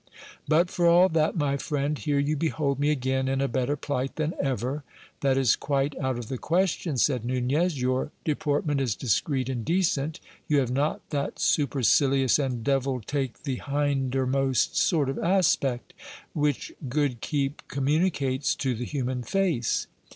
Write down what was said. But for all that, my friend, here you behold me again in a better plight than ever. That is quite out of the question, said Nunez : your deport ment is discreet and decent, you have not that supercilious and devil take the hindermost sort of aspect, which good keep communicates to the human face.